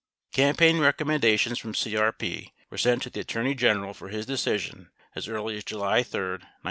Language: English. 10 Campaign recommendations from CRP were sent to the Attorney General for his decision as early as July 3, 1971.